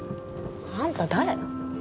あんた誰？